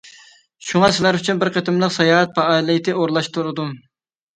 شۇڭا سىلەر ئۈچۈن بىر قېتىملىق ساياھەت پائالىيىتى ئورۇنلاشتۇردۇم.